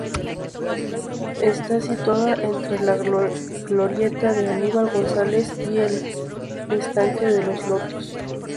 Está situada entre la Glorieta de Aníbal González y el Estanque de los Lotos.